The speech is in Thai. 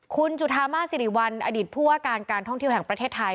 คุณจุธามาสิริวัลอดีตผู้ว่าการการท่องเที่ยวแห่งประเทศไทย